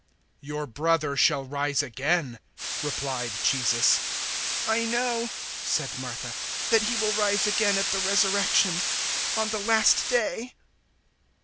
011:023 "Your brother shall rise again," replied Jesus. 011:024 "I know," said Martha, "that he will rise again at the resurrection, on the last day."